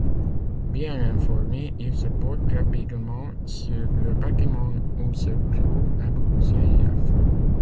Bien informés, ils se portent rapidement sur le bâtiment où se trouve Abou Sayyaf.